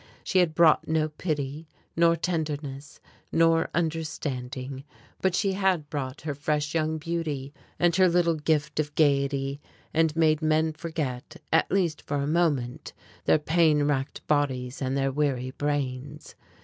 She had brought no pity, nor tenderness, nor understanding, but she had brought her fresh young beauty, and her little gift of gayety, and made men forget, at least for a moment, their pain racked bodies and their weary brains.